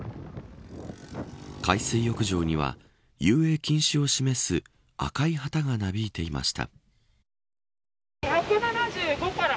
海水浴場には遊泳禁止を示す赤い旗がなびいていました。